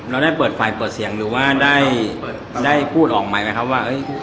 เราได้เปิดไฟเปิดเสียงหรือว่าได้พูดออกไหมครับว่า